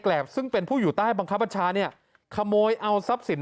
ซึ่งเป็นผู้อยู่ใต้บังคับบัญชาเนี่ยขโมยเอาทรัพย์สิน